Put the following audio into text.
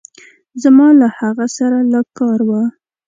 زما له هغه سره لږ کار وه.